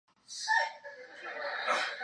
这些说法为受体学说奠定了基础。